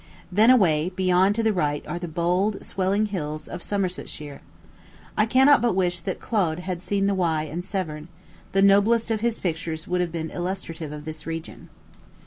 Then away, beyond to the right are the bold, swelling hills of Somersetshire. I cannot but wish that Claude had seen the Wye and Severn; the noblest of his pictures would have been illustrative of this region.